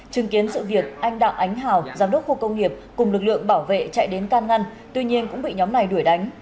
chứng kiến sự việc anh đặng ánh hào giám đốc khu công nghiệp cùng lực lượng bảo vệ chạy đến can ngăn tuy nhiên cũng bị nhóm này đuổi đánh